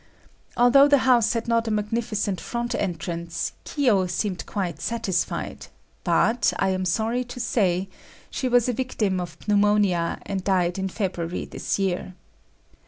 Although the house had not a magnificent front entrance, Kiyo seemed quite satisfied, but, I am sorry to say, she was a victim of pneumonia and died in February this year.